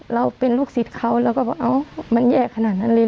เราเป็นลูกศิษย์เขาเราก็บอกเอ้ามันแย่ขนาดนั้นเลย